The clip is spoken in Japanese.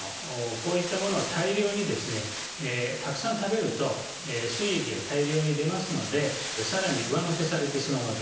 こういったものを大量にですねたくさん食べるとすい液が大量に出ますのでさらに上乗せされてしまうわけですね。